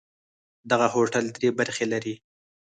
دغه هوټل درې برخې لري.